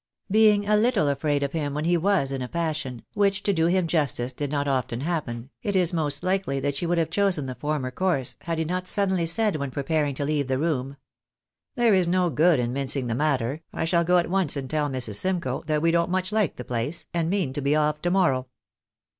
Being a little afraid of him when he was in a passion (which to do him justice did not often happen), it is most Hkely that she would have chosen the former course, had he not suddenly said when preparing to leave the room —" There is no good in mincing the matter ; I shall go at once and tell Mrs. Simcoe that we don't much like the place, and mean to be off to morrow."